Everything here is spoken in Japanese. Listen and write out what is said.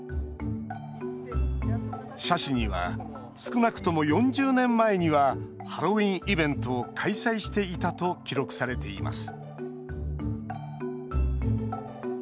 社史には少なくとも４０年前にはハロウィーンイベントを開催していたと記録されています